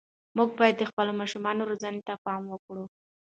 موږ باید د خپلو ماشومانو روزنې ته پام وکړو.